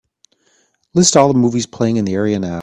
List all the movies playing in the area now.